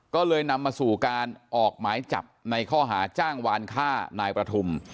ก็เลยนำมาสู่การออกหมายจับในข้อหาจ้างวานฆ่านายประทุม